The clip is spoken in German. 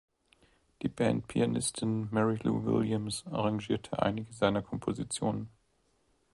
Die Band-Pianistin Mary Lou Williams arrangierte einige seiner Kompositionen.